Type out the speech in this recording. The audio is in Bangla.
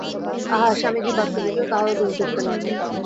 আহা! স্বামীজী বাস্তবিকই কাহারও দোষ দেখিতেন না।